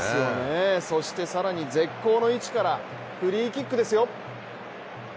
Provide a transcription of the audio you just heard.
そして絶好の位置からフリーキックですよ。